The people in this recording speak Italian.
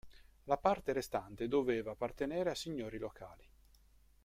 La parte restante doveva appartenere a signori locali.